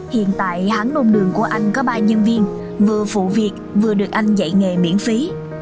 hiện tại hán nôn đường của anh có ba nhân viên vừa phụ việc vừa được anh dạy nghề miễn phí